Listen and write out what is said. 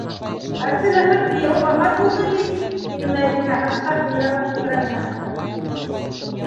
«Әптеләхәт, кейәүең, вафат булды бит!» - тине Мәҙинә, һыҡтап иңрәүен күкрәгенә ҡыҫып.